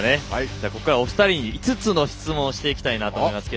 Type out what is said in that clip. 僕からはお二人に５つの質問をしたいと思います。